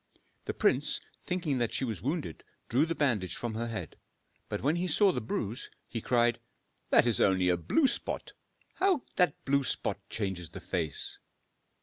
The prince, thinking that she was wounded, drew the bandage from her head; but when he saw the bruise, he cried, "That is only a blue spot! How that blue spot changes the face!"